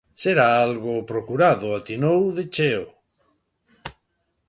Se era algo procurado, atinou de cheo...